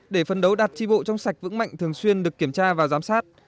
để phân đấu đạt tri bộ trong sạch vững mạnh thường xuyên được kiểm tra và giám sát